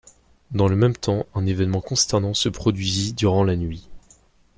Dans le même temps, un événement consternant se produisit durant la nuit.